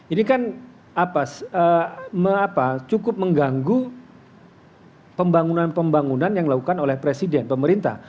ini kan cukup mengganggu pembangunan pembangunan yang dilakukan oleh presiden pemerintah